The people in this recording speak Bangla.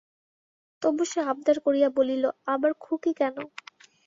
তবু সে আব্দার করিয়া বলিল, আবার খুঁকি কেন?